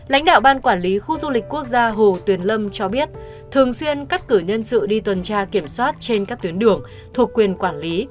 lãnh đạo ban quản lý khu du lịch quốc gia hồ tuyền lâm cho biết thường xuyên cắt cử nhân sự đi tuần tra kiểm soát trên các tuyến đường thuộc quyền quản lý